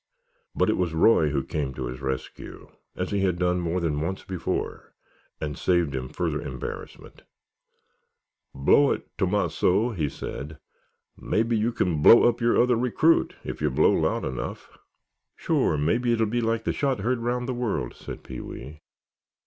But it was Roy who came to his rescue, as he had done more than once before, and saved him further embarrassment. "Blow it, Tomasso," said he. "Maybe you can blow up your other recruit if you blow loud enough." "Sure, maybe it'll be like the shot heard round the world," said Pee wee.